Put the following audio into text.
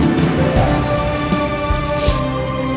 lu udah ngapain